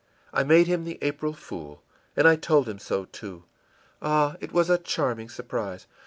I made him the April fool! And I told him so, too! Ah, it was a charming surprise!